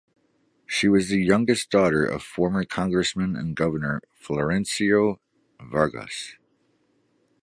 She was the youngest daughter of former Congressman and Governor Florencio Vargas.